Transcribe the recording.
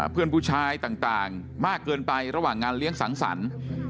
เพื่อนผู้ชายต่างมากเกินไประหว่างงานเลี้ยงสังสรรค์